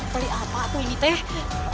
tali apa tuh ini teng